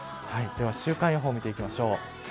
では週間予報を見ていきましょう。